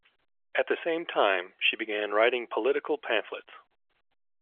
At the same time, she began writing political pamphlets.